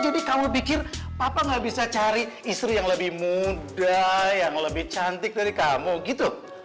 jadi kamu pikir papa gak bisa cari istri yang lebih muda yang lebih cantik dari kamu gitu